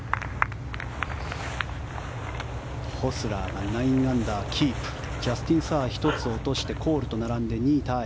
ホスラーが９アンダーキープジャスティン・サー１つ落としてコールと並んで２位タイ。